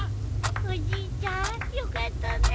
おじいちゃんよかったね。